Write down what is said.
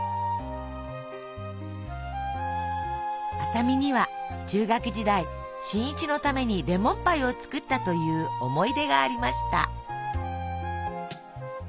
麻美には中学時代新一のためにレモンパイを作ったという思い出がありました。